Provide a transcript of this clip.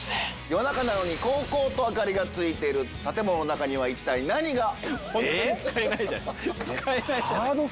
夜中なのにこうこうと明かりがついてる建物の中には一体何が？